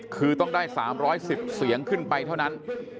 คือต้องได้๓๑๐เสียงขึ้นไปเท่านั้น